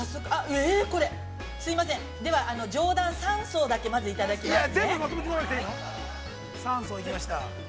すみません、では、上段３層までいただきますね。